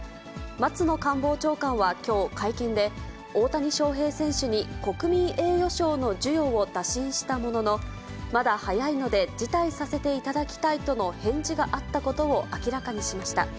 松野官房長官はきょう会見で、大谷翔平選手に、国民栄誉賞の授与を打診したものの、まだ早いので辞退させていただきたいとの返事があったことを明らかにしました。